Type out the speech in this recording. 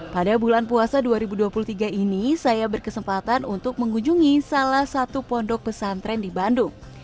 pada bulan puasa dua ribu dua puluh tiga ini saya berkesempatan untuk mengunjungi salah satu pondok pesantren di bandung